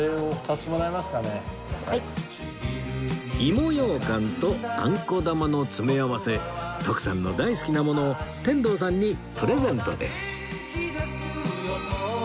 芋ようかんとあんこ玉の詰合せ徳さんの大好きなものを天童さんにプレゼントです